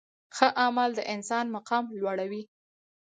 ښه عمل د انسان مقام لوړوي.